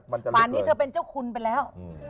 ป่านนี้เธอเป็นเจ้าคุณไปแล้ว